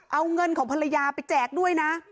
เอาเงินของภรรยาไปแจกด้วยนะ